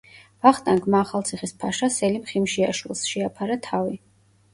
ვახტანგმა ახალციხის ფაშა სელიმ ხიმშიაშვილს, შეაფარა თავი.